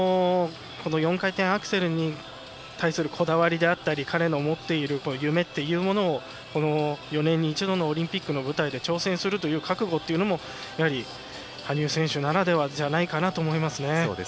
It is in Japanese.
４回転アクセルに対するこだわりであったり彼の持っている夢というものをこの４年に一度のオリンピックの舞台で挑戦するという覚悟というのも羽生選手ならではじゃないかと。